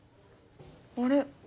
あれ？